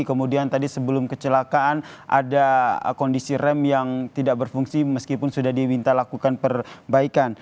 kemudian tadi sebelum kecelakaan ada kondisi rem yang tidak berfungsi meskipun sudah diminta lakukan perbaikan